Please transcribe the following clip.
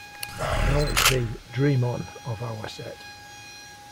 Now it's the 'Dream On' of our set.